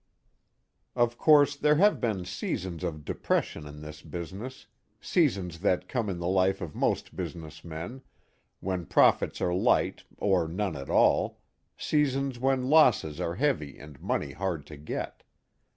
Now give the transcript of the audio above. Of course there have been seasons of depression in this I business, seasons that come in the life of most business men, when profits are light Of none at all, seasons when losses are < heavy and money hard to get.